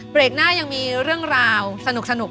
หน้ายังมีเรื่องราวสนุก